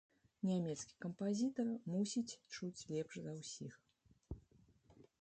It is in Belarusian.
Нямецкі кампазітар мусіць чуць лепш за ўсіх.